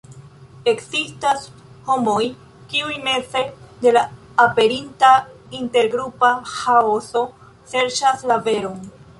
Ekzistas homoj, kiuj meze de la aperinta intergrupa ĥaoso serĉas la veron.